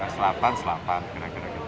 selatan selatan kira kira gitu